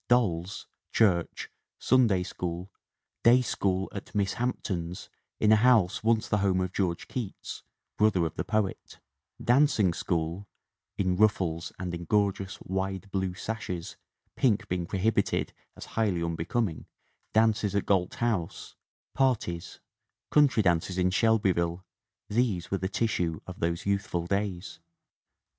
Dolls, church, Sunday School, day school at "Miss Hampton's" in a house once the home of George Keats, brother of the poet; dancing school ("in ruffles and in gorgeous, wide, blue sashes, pink being prohibited as highly un becoming") ; dances at Gait House; "parties," coun try dances in Shelby ville these were the tissue of those youthful days.